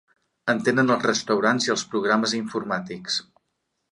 En tenen els restaurants i els programes informàtics.